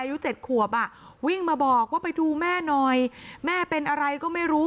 อายุเจ็ดขวบอ่ะวิ่งมาบอกว่าไปดูแม่หน่อยแม่เป็นอะไรก็ไม่รู้